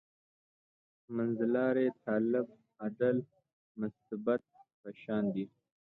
منځلاری طالب «عادل مستبد» په شان دی.